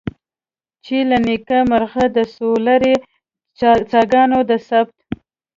چې له نیکه مرغه د سولري څاګانو د ثبت.